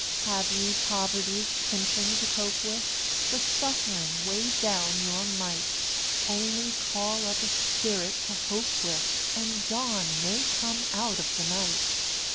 Have ye Poverty's pinching to cope with? Does Suffering weigh down your might? Only call up a spirit to hope with, And dawn may come out of the night.